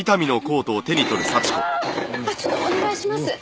ちょっとお願いします。